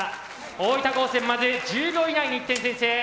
大分高専まず１０秒以内に１点先制。